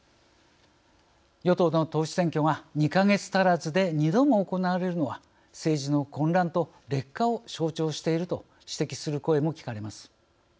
与党の党首選挙が２か月足らずで２度も行われるのは政治の混乱と劣化を象徴していると指摘する声も聞かれます。